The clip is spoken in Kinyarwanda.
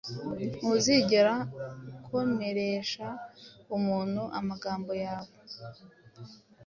Ntuzigera ukomeresha umuntu amagambo yawe